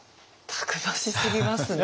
たくましすぎますね。